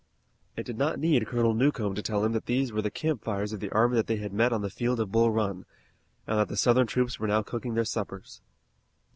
It did not need Colonel Newcomb to tell him that these were the campfires of the army that they had met on the field of Bull Run, and that the Southern troops were now cooking their suppers.